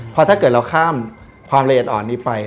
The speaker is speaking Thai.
เพราะถ้าเกิดเราข้ามความละเอียดอ่อนนี้ไป